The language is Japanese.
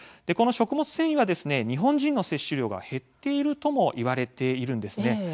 この食物繊維は日本人の摂取量が減っているともいわれています。